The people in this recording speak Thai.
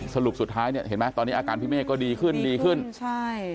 สรุปสุดท้ายเนี่ยเห็นไหมตอนนี้อาการพี่เมฆก็ดีขึ้นดีขึ้นใช่